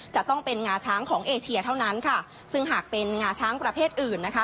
จะต้องเป็นงาช้างของเอเชียเท่านั้นค่ะซึ่งหากเป็นงาช้างประเภทอื่นนะคะ